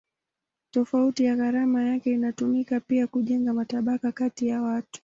Tofauti ya gharama yake inatumika pia kujenga matabaka kati ya watu.